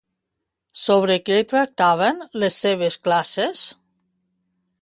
Sobre què tractaven les seves classes?